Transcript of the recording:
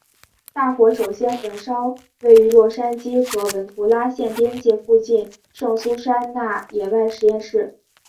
大火首先焚烧位于洛杉矶和文图拉县边界附近的圣苏珊娜野外实验室。